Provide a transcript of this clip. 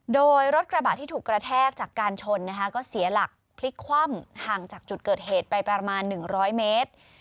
โดยรถกระบะที่ถูกกระแทกจากการชนนะคะก็เสียหลักพลิกคว่ำห่างจากจุดเกิดเหตุไปประมาณ๑๐๐เมตร